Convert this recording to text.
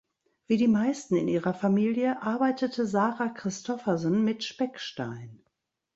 Wie die meisten in ihrer Familie arbeitete Sara Kristoffersen mit Speckstein.